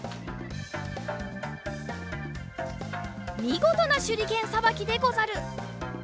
みごとなしゅりけんさばきでござる！